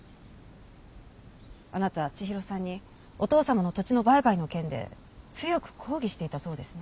あなた千尋さんにお父様の土地の売買の件で強く抗議していたそうですね？